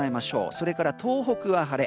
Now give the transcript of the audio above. それから東北は晴れ。